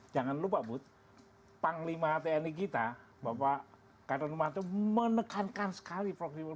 jangan lupa bud panglima tni kita bapak kadronumato menekankan sekali proxy war